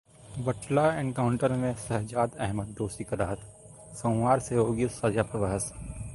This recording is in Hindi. बटला एनकाउंटर में शहजाद अहमद दोषी करार, सोमवार से होगी सजा पर बहस